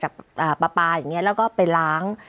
จากปลาอย่างเงี้ยแล้วก็ไปล้าง